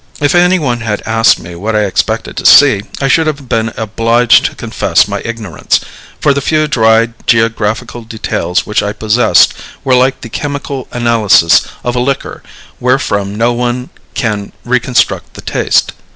If any one had asked me what I expected to see, I should have been obliged to confess my ignorance; for the few dry geographical details which I possessed were like the chemical analysis of a liquor wherefrom no one can reconstruct the taste.